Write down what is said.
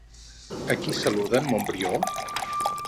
A qui saluda en Montbrió?